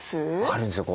あるんですよ。